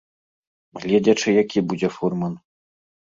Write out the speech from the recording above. Гледзячы які будзе фурман.